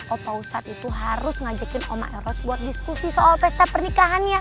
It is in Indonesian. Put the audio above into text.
opa ustadz itu harus ngajakin oma eros yuk